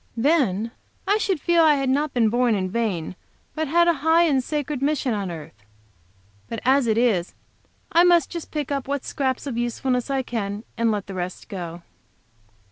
Then, I should feel that I had not been born in vain, but had a high and sacred mission on earth. But as it is, I must just pick up what scraps of usefulness I can, and let the rest go.